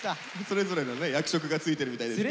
それぞれのね役職がついてるみたいですけど。